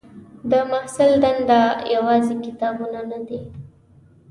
د محصل دنده یوازې کتابونه نه دي.